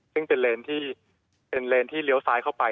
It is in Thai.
ซึ่งเป็นเลนส์ที่เลี้ยวซ้ายเข้าไป